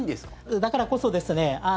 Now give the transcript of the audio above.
だからこそですね